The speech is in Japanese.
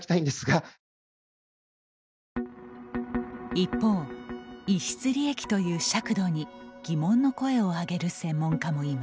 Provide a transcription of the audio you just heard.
一方、逸失利益という尺度に疑問の声を上げる専門家もいます。